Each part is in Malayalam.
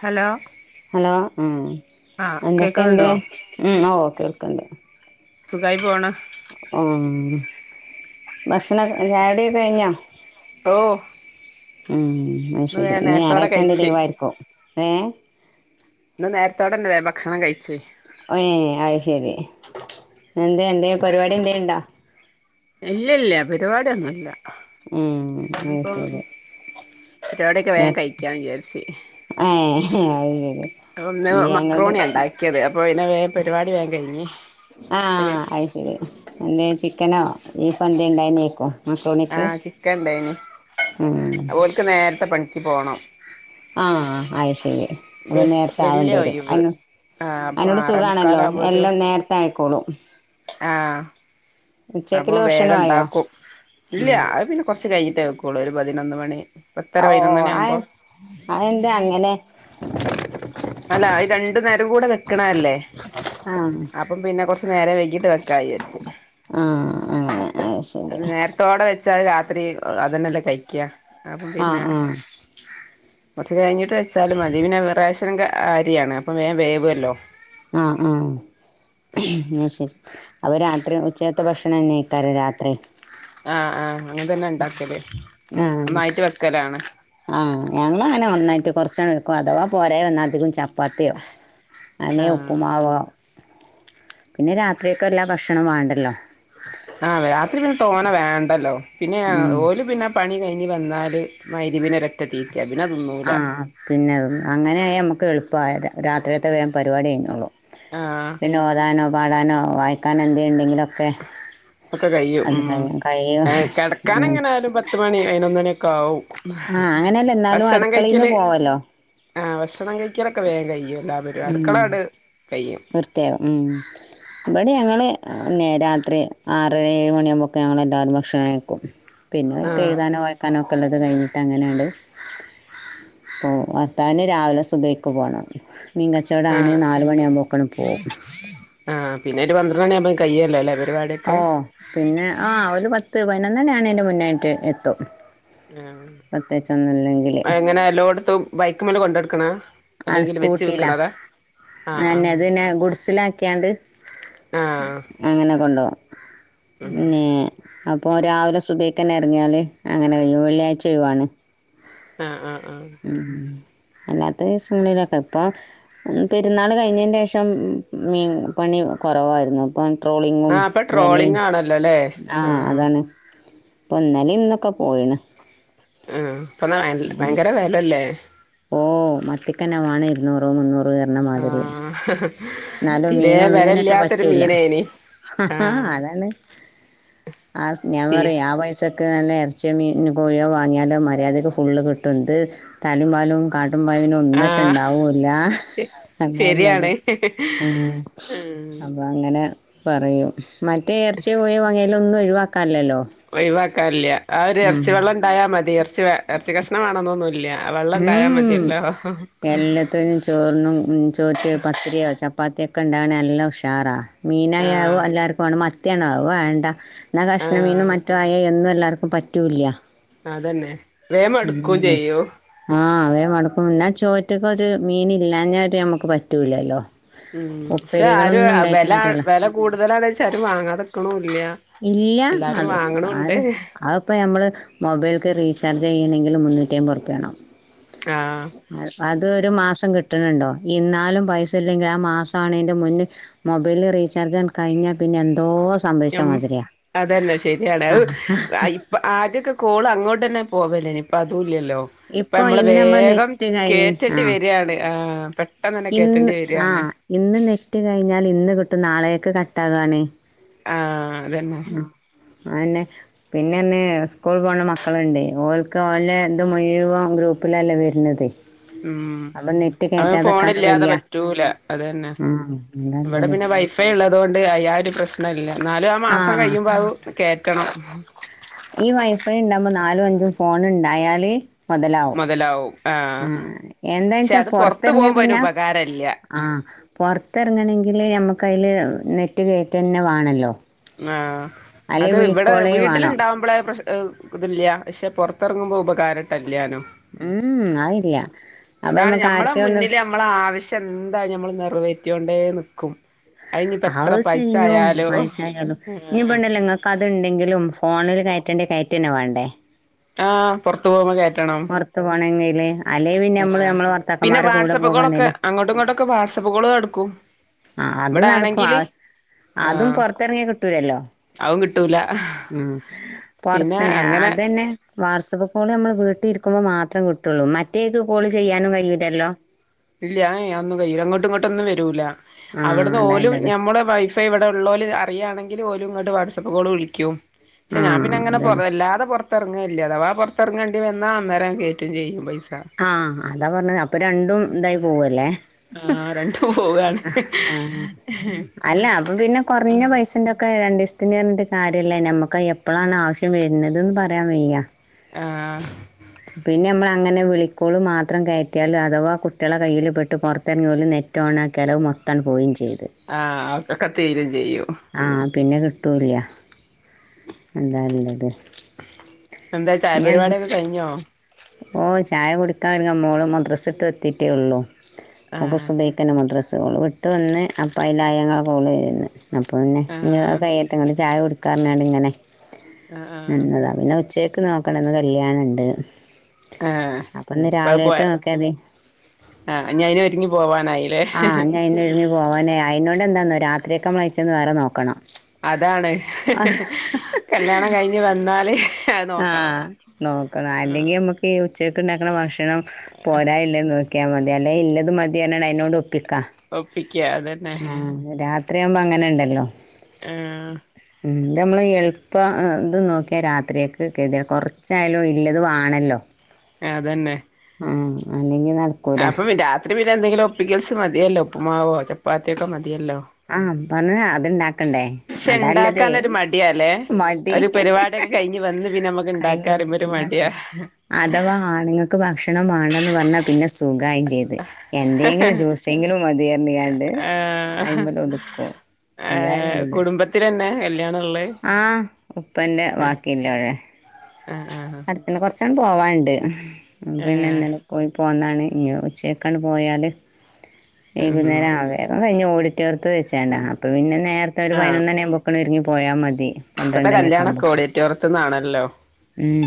ഹലോ ഹലോ ഉം ആഹ് എന്തക്കെണ്ട് കേക്കുന്നുണ്ടോ ഉം ഓ കേൾക്കണ്ട് സുഖായി പോണ് ഓം.. ഭക്ഷണ ചായുടിക്കെ കയിഞ്ഞോ ഓ ഉം.. അഹ് വേ ശരി ഇന്ന് നേരത്തോടെ ഞാറായച്ചായൊണ്ട് കഴിച്ച് ലീവായിരിക്കും ഏഹ് ഇന്ന് നേരത്തോടെന്നെ വേം ഭക്ഷണം കഴിച്ച് ഏ അയ്ശരി ന്നെന്തേ എന്തേ പരിവാടി എന്തേലുണ്ടാ ഇല്ല്യല്ല പരിപാടിയൊന്നുല്ല ഉം അയ് ശരി പരിവാടിയൊക്കെ വേം കയിക്കാന്ന് വിചാരിച്ച് ഏഹ് അയ് ശരി ഇന്ന് ഞങ്ങള ക്യത് അപ്പോ പിന്നെ വേ പരിവാടി വേം കയിഞ് ആഹ് അയ് ശരി എന്തേ ചിക്കനോ ബീഫ എന്ത ഇണ്ടായിനിക്കും ആ ചിക്കൻ ഇണ്ടായിന് ഉം ഓല്ക്ക് നേരത്തെ പണിക്ക് പോണം ആഹ് ആയ് ശരി വെ അവ നേരത്തെ വെള്ളിയാ ആവണ്ടിയേരും ഒഴിവ് അ ആഹ് അപ്പൊ അയിനോണ്ട് ആറേ സുഖാണല്ലോ മുക്കാലാവുമ്പോത്തിന് എല്ലാം നേരത്തെ ആയിക്കോളും ആഹ് അപ്പൊ ഉച്ചക്കുള്ള വേഗം ഭക്ഷണമായോ ഇണ്ടാക്കും ഇല്ല അത് പിന്നെ കൊറച് കഴിഞ്ഞിട്ടേ വെക്കുള്ളൂ ഒരു പതിനൊന്ന് മണി പത്തര ഓ പതിനൊന്ന് മണി അയ് ആകുമ്പോ അയെന്താ അങ്ങനെ അല്ല അയ് രണ്ടു നേരം കൂടെ വെക്കണയല്ലേ ആ അപ്പം പിന്നെ കുറച്ച് നേരം വൈകീട്ട് വെ ക്ക വിചാരിച്ച് ആ അങ്ങനെ ആ, ശരി നേര ത്തോടെ വെച്ചാ അത് രാത്രി അതന്നെല്ലെ കയിക്ക അപ്പം ആ പിന്നെ ആ കൊറച്ചു കഴിഞ്ഞിട്ട് വെച്ചാലും മതി പിന്നെ റേഷൻ ക അരിയാണ് അപ്പൊ വേഗം വേവുല്ലോ ആഹ് ആഹ് ആ ശരി അവ രാത്രി ഉച്ചയത്തെ ഭക്ഷണന്നേക്കാരം രാത്രി ആ ആ അങ്ങനെ തന്നെ ഇണ്ടാക്കല് ആ ഒന്നായിട്ട് വെക്കലാണ് ആ ഞങ്ങളങ്ങനെ ഒന്നായിട്ട് കൊറച്ചാണ്ട് വെക്കും അഥവാ പോരായി വന്ന അധികം ച പ്പാത്തിയൊ അല്ലെ ആഹ് ഉപ്പ്മാവോ പിന്നെ രാത്രിയക്ക്‌ എല്ലാ ഭക്ഷണം വേണ്ടല്ലോ ആഹ് രാത്രി പിന്നെ തോന വേണ്ടല്ലോ പിന്നെ ഉം. ഓല് പിന്നെ പണി കയിഞ് വന്നാല് മയിരിബിന് ഒരൊറ്റ തീറ്റ പിന്നെ തിന്നൂല ആ പിന്നെ അങ്ങനെ ആയ നമുക്ക് എളുപ്പ രാത്രിയത്തെ വേം പരിവാടി കയിഞ്ഞോളും ആഹ് പിന്നെ ഓതാനോ പാടാനോ വായിക്കാനോ എന്തേണ്ടെങ്കില ഒക്കെ കയ്യും ഉം കഴിയും ഏ അങ്ങനെ. കെടക്കാനെങ്ങനായാലും പത്ത് മണി പയിനൊന്നണിയൊക്കാവും ആ അങ്ങനെയല്ല എന്നാലും ഭക്ഷണം അടുക്കളയിൽ നിന്ന് കയിക്കല് പോവല്ലോ ആഹ് ഭക്ഷണം കയിക്കലൊക്കെ വേം കയ്യും മ്മ് വൃത്തിയാവ് മ്മ് ഇവടി ഞങ്ങള് ന്നെ രാത്രി ആറര ഏഴ് മണിയാവുമ്പക്ക് ഞങ്ങളെല്ലാരും ഭക്ഷണം കയിക്കും പിന്നെ ഇൻട്ട് ആഹ് എഴുതാനോ വായിക്കാനോ ഒക്കെള്ളത് കയിഞ്ഞിട്ടങ്ങനട് ഓ ഭർത്താവിന് രാവിലെ സുബയ്ക്ക് പോണം മീൻ കച്ചോടാണ് ആഹ് നാല് മണിയാവുമ്പോക്കാണ്ട് പോവും ആ പിന്നൊരു പന്ത്രണ്ടണിയാവുമ്പോ കയ്യോല്ലോല്ലേ ഓ പിന്നെ ആ ഒരു പത്ത് പയിനൊന്നണി ആവ്ണെന്റെ മുന്നായിട്ട് എത്തും പ്രത്യേകിച്ചൊന്നുമില്ലെങ്കിൽ ആഹ് എങ്ങനെ എല്ലോട്ത്തും ബൈക്ക് മേലെ കൊണ്ട് എടുക്കണ. ആഹ് സ്കൂട്ടിയിലാ ആഹ് എന്നെ ആഹ് അതന്നെ ഗുഡ്സിലാക്കിയാണ്ട്. ആഹ് അങ്ങനെ കൊണ്ടോവും പിന്നെ അപ്പോൾ രാവിലെ സുബഹി ക് ഇറങ്ങിയാല് അങ്ങനെ വയ്യും വെള്ളിയാഴ്ച ഒഴിവാണ്. ആഹാ ആഹ് ആഹ് മ് അല്ലാത്തെ സങ്ങളിലൊക്കെ ഇപ്പൊ പെരുന്നാള് കഴിഞ്ഞേന്റെ ശേഷം മീൻ പണി കുറവായിരുന്നു അപ്പം ട്രോളിങ്ങും ആഹ് ഇപ്പൊ വെലിം ട്രോളിംഗ് ആണല്ലോ ല്ലേ ആഹ് അതാണ് പ്പൊ ഇന്നാലിം ഇന്നൊക്കെ പോയിന് ആഹ് പ്പന്ന ഭയങ്കര വെല അല്ലേ ഓഹ് മത്തിക്കന്നെ മാണം ഇരുന്നൂറ് മുന്നൂറ് ആറിന്നമാതിരി. തിരെ വെല ഇല്ലാത്തൊരു പറ്റൂല മീനായിനി ആഹ് അതാണ് ആഹ് ഞാൻ തീ പറയ് ആ പൈസ ക് നല്ല ഇറച്ചിയ മീൻ കോഴിയോ വാങ്ങിയാലോ മര്യാദയ്ക്ക് ഫുള്ള് കിട്ടുന്നുണ്ട് തലിം വാലും കാട്ടുമ്പോ അയിന് ഒന്നേറ്റ ആഹ് ഇണ്ടാവൂല്ല ശെ എന്താ ഇല്ലത് ശരിയാണ് ഉം ഉം അപ്പൊ അങ്ങനെ പറയും മറ്റേ ഇറച്ചി കോഴോ വാങ്ങിയലു ഒന്നും ഒഴിവാക്കാല്ലല്ലോ ഒഴിവാക്കാൻല്ല്യ ആ ഒരു ഇറച്ചി വെള്ളം ഉണ്ടായാ മതി ഇറച്ചി ഇറച്ചി കഷ്ണം വേണെന്നൊന്നുല്ല വെള്ളണ്ടയാമതിയല്ലോ ഇത്തനും ചോറിനും ചോറ്റയോ പത്തിരിയോ ചപ്പാത്തിയൊക്കെ ഉണ്ടാവാന് എല്ലാം ഉഷാറാ മീനായവു ആഹ് എല്ലാവർക്കും വാണം മത്തിയാണോ ആവുവണ്ട എന്ന കഷ്ണ മീനും ആഹ് മറ്റു ആയ എന്നും എല്ലാവർക്കും പറ്റൂല്ല അതന്നെ വേം മടുക്കും ചെയ്യൂ ആഹ അവേ മടക്കും എന്നാ ചോറ്റിക്ക് ഒരു മീൻ ഇല്ലാനാ നമ്മക്ക് പറ്റൂലല്ലോ. ഉം പക്ഷെ ആര് ഉപ്പേരികളൊന്നും ഉണ്ടായിട്ട് വെല കാര്യല്ല വെല കൂടുതലാണ് വെച്ചാലും ആരും വാങ്ങാതെക്ക്ണുല്ല. ഇല്ല അത് സുഖാ ആരും അത് ഇപ്പൾ നമ്മള് മൊബൈലക്ക് റീചാർജ് ചെയ്യണെങ്കിൽ മുന്നൂറ്റി അമ്പത് റുപ്പ്യയാണം. ആഹ് അത് ഒരു മാസം കിട്ടണുണ്ടോ ഇന്നാലും പൈസ ഇല്ലെങ്കിൽ ആ മാസവുണിന്റെ മുന്നേ മൊബൈൽ റീചാർജ് കഴിഞ്ഞാൽ പിന്നെ എന്തോ സന്ദേശം ഞം സംഭവിച്ചാമതി അതന്നെ ശരിയാണ് അത് ഇപ്പൊ ആദ്യൊക്കെ കോള് അങ്ങോട്ടന്നെ പോവല്ലേനി ഇപ്പൊ അതുല്ലല്ല ഇപ്പ ഇപ്പൊ നമ്മള് ഇന്ന് നമ്മളെ വേഗം നെറ്റ് കഴിഞ്ഞ് കേയറ്റേണ്ടി ആഹ് വരുയാണ് ആഹ് പെട്ടെന്നന്നെ ഇന്ന് കേയറ്റേണ്ടി വരിയാണ്. ആഹ് ഇന്ന് നെസ്റ്റ് കഴിഞ്ഞാൽ ഇന്ന് കിട്ടും നാളെക്ക് കട്ടാവാണേ ആഹ് അതന്നെ അയന്നെ പിന്നെന്നെ സ്കൂൾ പോകണ മക്കളുണ്ട് ഓക്ക് ഓല ഇത് മുഴുവൻ ഗ്രൂപ്പിലല്ലേ വരുണത്. ഉം അത് ഫോൺ ഇല്ലാതെ വയ്യ പറ്റൂല അതന്നെ ആ ഇവിടെ അതല്ലത് പിന്നെ വൈ ഫൈ ഉള്ളതുകൊണ്ട് അയാ ഒരു പ്രശ്നല്ല എന്നാലും ആ മാസം കഴിയുമ്പോ അത് കേയറ്റണം. ഈ വൈഫൈ ഉണ്ടാകുമ്പോ നാലും അഞ്ചും ഫോൺ ഉണ്ടായാല് മുതലാ മുതലാവും ആഹ് ഉം ഉം പക്ഷെ എന്താെച്ചാ അത് പുറത്ത് പൊറത്തറങ്ങാ പോകുമ്പോ അതിന് പിന്നെ ഉപകാരല്ല ആഹ് പുറത്തിറങ്ങങ്കില് നമുക്ക് അയില് നെറ്റ് കയറ്റ് തന്നെ വണല്ലോ ആഹ് അത് ഇവിടെ വേണം വീട്ടിലുണ്ടാവുമ്പോളെ പ്രശ ഇതില്ല പക്ഷേ പുറത്തിറങ്ങുമ്പോൾ ഉപകാരട്ടല്ലാനും ഉം ആയില്ല അപ്പൊ അതാണ് നമ്മക്ക് ഞമ്മളെ ആർക്കെ ഒന്ന് മുന്നില് നമ്മളെ ആവശ്യം എന്തായലും നമ്മള് നിറവേറ്റൊണ്ടേ നിക്കും. അയിനിപ്പോ എത്ര പൈസ ആവശ്യോങ്കിലും ആയാലോ പൈസയാലും ഇനി ഇപ്പൊ ആഹ് ഇണ്ടല്ലോ ഇങ്ങ അതുണ്ടെങ്കിലും ഫോണിൽ കയറ്റേണ്ട് കയറ്റന്നെ വേണ്ടേ ആഹ് പുറത്തത്ത് പോവുമ്പോ കയറ്റണം പുറത്തു പോണെങ്കില് അല്ലെ പിന്നെ നമ്മള് ആഹ് നമ്മള് വർത്താക്കന്മാരെടെ കൂടെ പോവാണേല് ഒക്കെ വാട്സാപ്പ് കാള്ക്കള് ഇടുക്കും ആഹ് അത് നടക്കും അതും ആഹ് പുറത്തിറങ്ങിയ കിട്ടൂലല്ലോ അതും കിട്ടൂല ഉം പോർത്ത് പിന്നെ ഞ അങ്ങനെ അതന്നെ വാട്സആപ്പ് കോള് നമ്മൾ വീട്ടിൽ ഇരിക്കുമ്പോ മാത്രേ കിട്ടുള്ളൂ മറ്റേക്ക് കോള് ചെയ്യാനും കഴിയുല്ലല്ലോ ഇല്ലാ ഏഹ് ഒന്നും കയ്യൂലാ അങ്ങോട്ടും ഇങ്ങോട്ടും ഒന്നും വെരൂലാ ആ അവിടുന്ന് ഓലും അതല്ലത് ഞമ്മളെ പൈസ് ഇപ്പ ഇവിടെ ഇള്ളോല് അറിയാണെങ്കില് ഓലും ഇങ്ങട്ട് വാട്സപ്പ് കോള് വിളിക്കും പക്ഷെ ആ ഞാൻ പിന്നെങ്ങനെ പൊർ അതന്നെ വല്ലാതെ പൊറത് പൊർത്തെർങ്ങലില്ലാ അഥവാ പൊർത്തെറങ്ങേണ്ടി വന്നാ അന്നേരം അങ്ങ് കേറ്റും ചെയ്യും പൈസാ ആഹ് അതാ പറഞ്ഞത് അപ്പൊ രണ്ടും ഇതായി പോവല്ലേ ആഹ് രണ്ടും പോവാണ് ആഹ് അല്ലാ അപ്പ പിന്നെ കൊർഞ്ഞ പൈസന്റൊക് ക്കെ രണ്ടീസത്തിന് പർഞ്ഞിട്ട് കാര്യല്ലാ ഞമ്മക്ക് എപ്പഴാണ് ആവശ്യം വെര്ണത് ന്ന് പറയാൻ വയ്യാ ആഹ് പിന്നെ നമ്മള് അങ്ങനെ വിളിക് സ്കൂള് മാത്രം കയറ്റിയാലും അഥവാ കുട്ട്യാളെ കയ്യിൽ പെട്ട് പൊറത്തെറങ്ങിയാ ഓല് നെറ്റ് ഓണാക്കിയാലത് മൊത് ത്താണ്ട് പോവോ ചെയ്ത് ആഹ് [unintelligible] തീരും ചെയ്യും ആഹ് പിന്നെ കിട്ടൂല്ലാ [unintelligible] എന്തേ ചായ പരിപാടിയൊക്കെ കയിഞ്ഞോ ഓഹ് ചായ കുടിക്കാര്ങ്ങാ മോള് മദ്രസട്ട് എത്തിട്ടേ ഉള്ളൂ ഓക്ക് ആഹ് സുബൈ മദ്രസ്സ് ഓള് വിട്ട് വന്ന് അപ്പോ [unintelligible] ഇങ്ങളെ കോള് ചെയ്യുന്നെ അപ്പ പിന്നെ ആഹ് അത് [unintelligible] ചായ കൊടുക്കാറഞ്ഞാണ്ട് ഇങ്ങനെ ആഹ് ആഹ് നിന്നതാ പിന്നെ ഉച്ചേക്ക് നോക് ന്ന് കല്യാണണ്ട് ആഹ് അപ്പ ഇന്ന് ഇപ്പ അത് പോയ രാവിലേത്തെ നോക്ക്യാതി ആഹ് ഇനി അയിന് ഒരുങ്ങി പോവാനായില്ലേ അയിന് ഒരുങ്ങി പോവാനായി അയിനോണ്ട് എന്താന്നോ രാത്രിയേക്കമ്മളയിച്ചെന്ന് വേറെ നോക്കണം അതാണ് കല്യാണം കഴിഞ്ഞ് വന്നാല് അത് നോക്കണം ആഹ് നോക്കണം ആല്ലെങ്കി നമ്മക്ക് ഈ ഉച്ചേക്ക് ഇണ്ടാക്കണ ഭക്ഷണം പോരായില്ലേന്നോ ക്ക്യാ മതി അല്ലേ ഇല്ലത് മതിയർഞ്ഞാണ്ട് അയിനോണ്ട് ഒപ്പിക്കാ ഒപ്പിക്കാ അതന്നെ രാത്രിയാവുമ്പോ അങ്ങനെ ഇണ്ടല്ലോ ആഹ് ഉം ഇത് നമ്മള് എളുപ്പാ ആഹ് ഇതും നോക്കിയാ രാത്രിയേക്ക് [unintelligible] കൊറച്ചായാലും ഇല്ലത് വാണല്ലോ അതന്നെ ആഹ് അല്ലെങ്കി നട ആഹ് അപ്പ പിൻ രാത്രി പിന്നെ എന്തെങ്കിലും ഒപ്പിക്കൽസ് മതിയല്ലോ ഉപ്പുമാവോ ചപ്പാത്തിയൊക്കെ മതിയല്ലോ ആഹ് പറഞ്ഞപോലെ അത്ണ്ടാക്കണ്ടേ പക്ഷെ അതാല്ലതെ ഉണ്ടാക്കാനൊരു മടി തെക്കെ കയിഞ്ഞ് വന്ന് പിന്നെ നമ്മക്ക് കഴിഞ്ഞു ഇണ്ടാക്കാ വന്നു പറയുമ്പൊരു ഉണ്ടാക്കാൻ മടിയാ മടി. അഥവാ ആണുങ്ങൾക്ക് ഭക്ഷണം മാണന്ന് പറഞ്ഞാ പിന്നെ സുഖായി ചെയ്ത് എന്തെങ്കിലും ജ്യൂസെങ്കിലും മതിയറിഞ്ഞ്ങ്ങാണ്ട് ആ അയിമല് ഒതുക്കും ആ തായില്ലത് കുടുംബത്തിലന്നെ കല്യാണള്ളേ ആഹ് ഉപ്പന്റെ ബാക്കിയില്ലോലെ ആ ആ അടുത്തന്നെ കൊറച്ചാണ്ട് പോവാന്ണ്ട് ആ പിന്നെ ഇന്നലെ പോയി പോന്നാണ് ഇനി ഉച്ചക്കാണ് പോയാല് ഉം വൈകുന്നേരം ആവേ കയിഞ്ഞ് ഓഡിറ്റോറിയത്ത് വെച്ചാണ്ടാ അപ്പൊ പിന്നെ നേരത്തെ ഒരു ആ പയിനൊന്ന് മണിയെക്കാവുമ്പക്ക് ഒരുങ്ങി പോയാ മതി ഇപ്പത്തെ പന്ത്രണ്ടണി ഒക്കെ കല്യാണൊക്കെ ആകുമ്പോക്ക ഓഡിറ്റോറിയത്ത്ന്ന് ആണല്ലോ ഉം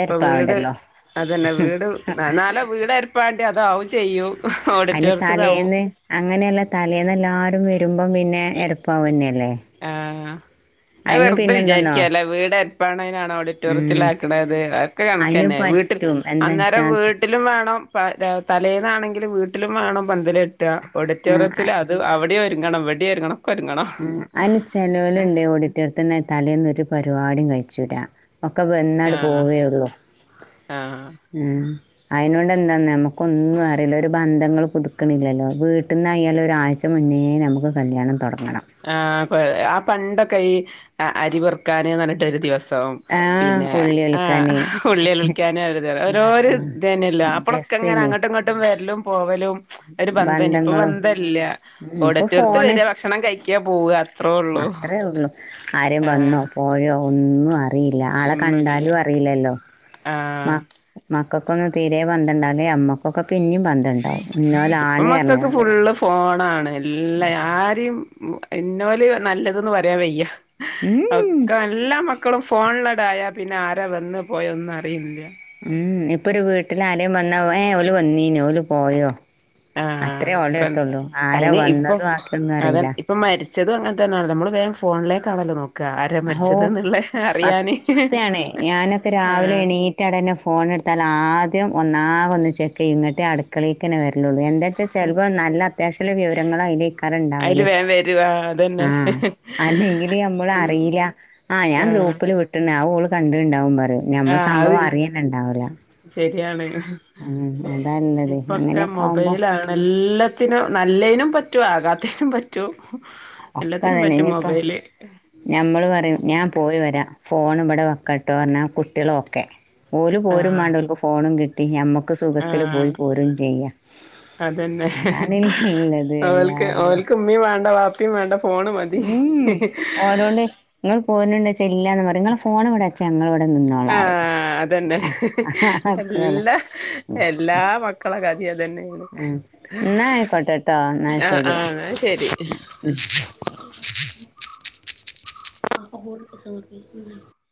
ഇപ്പൊ വീട് അതന്നെ വീട് [unintelligible] വീടരിപ്പാണ്ടിയെ അതാവും ചെയ്യും ഓഡിറ്റോറിയത്ത്ന്നാവും അങ്ങനെയല്ലാ തലേന്ന് എല്ലാരും വെരുമ്പം പിന്നെ എരപ്പാവന്നെയല്ലേ ആഹ് അത് വെറുതെ വിചാരിക്കാല്ലേ വീട് എരപ്പാവണേനാണ് ഉം ഓഡിറ്റോറിയത്തിലാക്കണേന്ന് ഒക്കെ കണക്കെന്നെ വീട്ടില് ട്ടും എന്തെൻച്ചാൽ ട്ട്ലും വാണം പ തലേന്നാണെങ്കില് വീട്ടിലും വാണം പന്തലെ ട്ടാ ഉം, ഓഡിറ്റോറിയത്തിൽ അ- അത് അവിടെ ഒരുങ്ങണം ഇവടെ ഒരുങ്ങണം ഒക്കൊരുങ്ങണം ഉം അയ്ന് ചെലോല്ണ്ട് ഓഡിറ്റോറി ത്ത്ന്ന് തലേന്നൊരു പരിപാടിം കയ്ച്ചൂലാ ഒക്കെ വെന്നണ്ട് ആഹ് പോവേള്ളു ആഹ് ഉം അയ്നോടെന്താന്നോ ഞമ്മക്കൊന്നും അറില്ല ഒരു ബന്ധങ്ങൾ പുതുക്ക്ണില്ലല്ലോ വീട്ട് ന്നായാലൊരാഴ് ച്ച മുന്നേ ഞമ്മക്ക് കല്യാണം തൊടങ്ങണം ആഹ് പ് ആ പണ്ടൊക്കെ ഈ അരി പെറുക്കാന് ന്ന് പർഞ്ട്ടൊരു ദിവ സം ആ പിന്നെ ഉള്ളി ആ ഒലിക്കാന് ഉള്ളി ലോല്ക്കാന് ഓരോര് ഇതേന്നെല്ലോ ആ പ്ലളൊക്കെങ്ങനെ ഡ്രസ്സിന് അങ്ങട്ടുംഇങ്ങോട്ടും വെര്ലും പോവലും ഒരു ബന്ധേനി ഇപ്പൊ ബന്ധങ്ങളും ബന്ധല്ല ഉം, ഇപ്പൊ ഓഡിറ്റോർത്ത് വെര ഭക്ഷണം കഴിക്കാ പോവ അത്രേള്ളു ആരേം ആഹ് വന്നോ പോയോ ഒന്നും അ റില്ല ആളെ ഒന്നുല്ല കണ്ടാലും അറിയില്ലല്ലോ ആഹ് മക്കക്കൊന്നും തീരെ ബന്ധണ്ടാവുല ഞമ്മക്കൊക്കെ പിന്നിം ബന്ധണ്ടാവും ഇപ്പൊ ഇന്നോലാണ് മക്കൾക്ക് പർഞ്ങ്ങാണ്ട് ഫുള്ള് ഫോണാണ് എല്ലാ ആരിം ഇന്നോല് നല്ലത് ന്ന് പറയാൻ വെയ്യ ഉം ഒക്കെ എല്ലാ മക്കളും ഫോണിലടായ പിന്നെ ആരാ വെന്ന് പോയെ ഒന്നും അറിയിൺല്ല ഉം ഇപ്പൊ ഒരു വീട്ടില് ആരേം വെന്നാ ഏ ഓല് വന്നീനോ ഓല് പോയോ ആഹ് അത്രേ അത്ര ഓലെട്ത്തൊള്ളു ആരാ അയിന് വെന്നത് വാക്യോന്നറീല്ല ച്ചതും അങ്ങൻത്തേണല്ലോ നമ്മള് വേം ഫോൺലേക്കാണല്ലോ നോക് ക്ക ആരാ അഹോ മരിച്ചത് ന്ന്ള്ളെ അറിയാന് സത്യാണ് ആഹ് റ്റാടെന്നെ ഫോണ്ട്ത്താല് ആദ്യം ഒന്നാകൊന്ന് ചെക്കെയ്യും ന്ന്ട്ടേ അട്ക്കളേക്കെന്നെ വെര്ലൊള്ളു എന്താച്ചാ ചെൽവൊ നല്ല അത്യാവശ്യള്ള വിവരങ്ങളയ്ല് അയില് ക്കാരംണ്ടാവല് വേഗം വരും ആഹ് അതന്നെ ആഹ് അല്ലെങ്കില് ഞമ്മള് അ റീല്ല ആഹ് ഞാൻ ഗ്രൂപ്പില് വിട്ട്ണ് ആഹ് ഓള് കണ്ട്ണ്ടാവും പറിയും ഞമ്മൾ ആഹ് അത് സംഭവം അറിയെന്നെണ്ടാവൂല ശരിയാണ് ഉം അതാള്ളതെ അങ്ങനൊക്കാമ്പോ എല്ലത്തിനും നല്ലേനും പറ്റും ആകാത്തേനും പറ്റ് റ്റും എല്ലത്തിനും പറ്റും മൊബൈല് ഞമ്മള് പറയും ഞാൻ പോയി വെരാ ഫോണ് വടെ വെക്ക ട്ടോ പർഞ്ഞാ കുട്ട്യാള് ഓക്കെ ഓല് പോരും ആഹ് മാണ്ട ഓൽക്ക് ഫോണും കിട്ടി ഞമ്മക്ക് സുഖത്തില് ആഹ് പോയി പോരും ചെയ്യാ അതന്നെ അതാണ്ള്ളത് എല്ലാര്തും മ്മീ വാണ്ട ബാപ്പി വാണ്ട ഫോണ് മതി അതോണ്ട് ങ്ങള് പോര്ണ് ണ്ടോയ്ച്ചാ ഇല്ലാന്ന് പറയും ങ്ങളെ ഫോണ് വടെ ച്ചങ്ങള് വടെ നിന്നോ ആഹ് അതെന്നെ അത്രേ ഉള്ളു എല്ലാ എൽ എല്ലാ മക്കളെ കഥെ അതെന്നെ ഉം. എന്നാ ആയിക്കോട്ടെ കേട്ടോ എന്നാ ആഹ് ശരി ആഹ് അത് ശെരി [unintelligible]